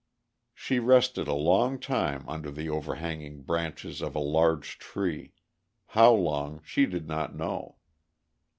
She rested a long time under the overhanging branches of a large tree—how long she did not know.